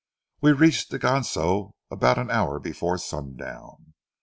We reached the Ganso about an hour before sundown.